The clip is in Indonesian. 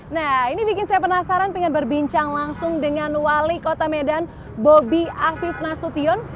nah ini bikin saya penasaran pengen berbincang langsung dengan wali kota medan bobi afif nasution